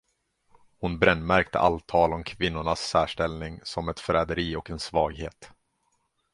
Hon brännmärkte allt tal om kvinnornas särställning som ett förräderi och en svaghet.